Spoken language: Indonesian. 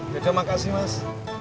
ya terima kasih mas